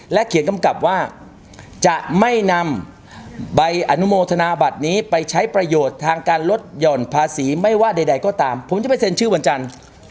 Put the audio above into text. เขียนกำกับว่าจะไม่นำใบอนุโมทนาบัตรนี้ไปใช้ประโยชน์ทางการลดหย่อนภาษีไม่ว่าใดก็ตามผมจะไปเซ็นชื่อวันจันทร์